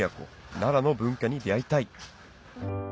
奈良の文化に出合いたい！